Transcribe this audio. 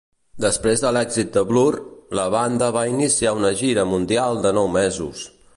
Després de l'èxit de "Blur", la banda va iniciar una gira mundial de nou mesos.